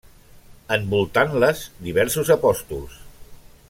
Envoltant-les, diversos apòstols.